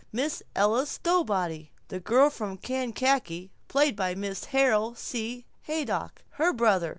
Miss Ella Stowbody The girl from Kankakee ..... Mrs. Harold C. Haydock Her brother.